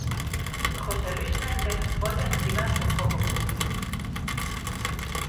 José Luis Méndez volve esquivar o foco público.